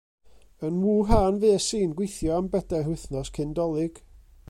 Yn Wuhan fues i'n gweithio am bedair wythnos cyn 'Dolig.